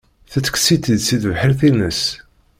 Tettekkes-itt-id si tebḥirt-ines.